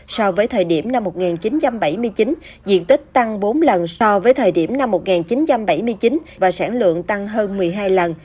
so với thời điểm năm một nghìn chín trăm bảy mươi chín diện tích tăng bốn lần so với thời điểm năm một nghìn chín trăm bảy mươi chín và sản lượng tăng hơn một mươi hai lần